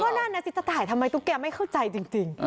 นั่นน่ะสิจะถ่ายทำไมตุ๊กแกไม่เข้าใจจริง